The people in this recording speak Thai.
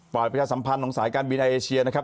ประชาสัมพันธ์ของสายการบินในเอเชียนะครับ